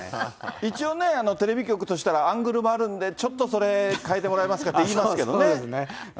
一応ね、テレビ局としたらアングルもあるんで、ちょっとそれ、変えてもら言いますね。